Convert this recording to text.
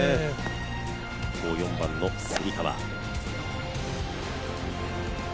一方、４番の蝉川。